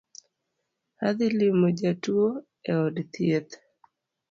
Adhi limo jatuo e od thieth